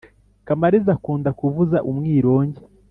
kamariza akunda kuvuza umwirongi